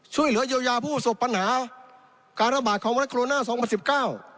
ช่วยเหลือเยียวยาผู้ประสบปัญหาการระบาดของไวรัสโคโรนาสองพันสิบเก้า